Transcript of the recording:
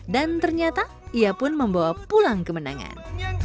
dan ternyata ia pun membawa pulang kemenangan